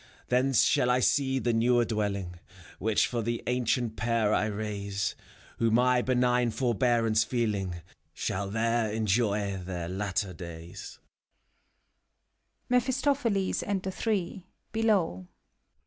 Thence shall I see the newer dwelling Which for the ancient pair I raise. Who, my benign forbearance feeling, Shall there enjoy their latter days.